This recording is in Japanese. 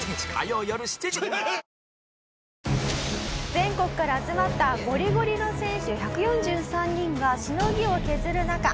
全国から集まったゴリゴリの選手１４３人がしのぎを削る中。